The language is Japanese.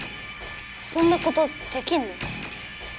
そんなことできんの？